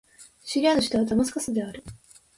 シリアの首都はダマスカスである